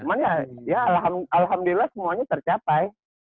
cuman ya alhamdulillah semuanya tercapai